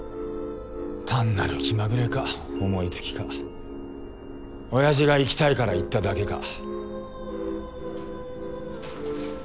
単なる気まぐれか思いつきか親父が行きたいから行っただけか。